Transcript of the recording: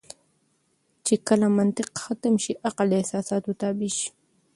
چې کله منطق ختم شي عقل د احساساتو تابع شي.